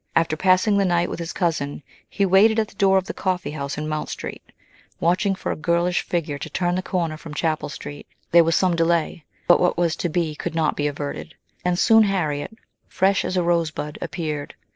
After passing the night with his cousin, he waited at the door of the coffee house in Mount Street, watching for a girlish figure to turn the corner from Chapel Street. There was some delay ; but what was to be could not be averted, and soon Harriet, fresh as a rosebud, appeared.